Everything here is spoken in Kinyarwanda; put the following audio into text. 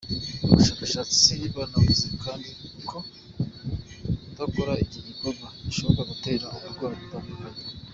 Abashakashatsi banavuze kandi ko kudakora iki gikorwa bishobora gutera uburwayi butandukanye.